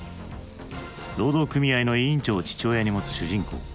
労働組合の委員長を父親に持つ主人公。